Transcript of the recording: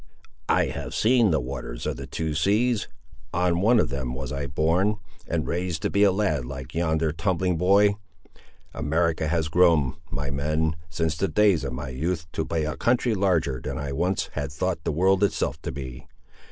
"I have seen the waters of the two seas! On one of them was I born, and raised to be a lad like yonder tumbling boy. America has grown, my men, since the days of my youth, to be a country larger than I once had thought the world itself to be.